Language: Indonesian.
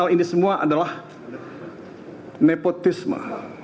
ini semua adalah nepotisme